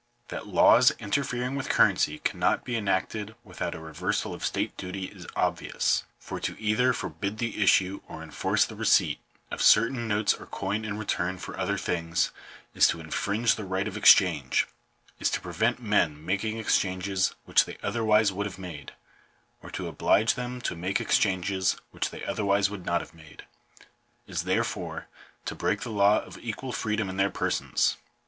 That laws interfering with currency cannot be enacted with out a reversal of state duty is obvious ; for to either forbid the issue or enforce the receipt of certain notes or coin in return for other things, is to infringe the right of exchange — is to prevent men making exchanges which they otherwise would have made, or to oblige them to make exchanges which they otherwise would not have made — is, therefore, to break the law of equal freedom in their persons (Chap.